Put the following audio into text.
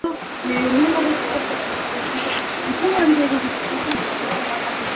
Es la actriz porno asiática más hardcore de la industria del porno.